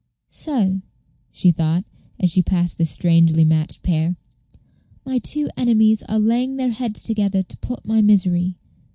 "So," she thought, as she passed this strangely matched pair, "my two enemies are laying their heads together to plot my misery.